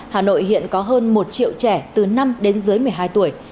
hà nội hiện có hơn một triệu trẻ từ năm đến dưới một mươi hai tuổi